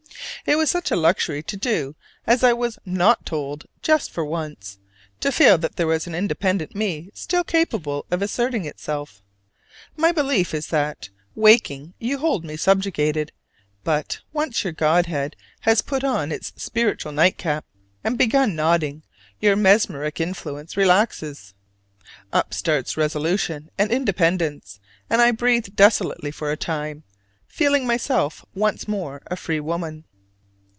It was such a luxury to do as I was not told just for once; to feel there was an independent me still capable of asserting itself. My belief is that, waking, you hold me subjugated: but, once your godhead has put on its spiritual nightcap, and begun nodding, your mesmeric influence relaxes. Up starts resolution and independence, and I breathe desolately for a time, feeling myself once more a free woman.